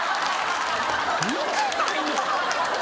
見てないの？